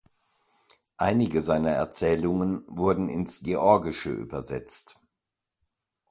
Einige seiner Erzählungen wurden ins Georgische übersetzt.